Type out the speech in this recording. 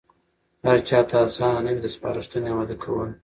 هرچاته آسانه نه وي د سپارښتنې عملي کول.